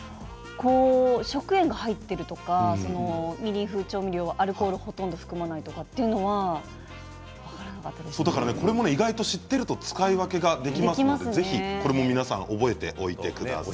食塩が入っているとかみりん風調味料のアルコールが含まれていないとか知っていると使い分けができますので皆さん覚えておいてください。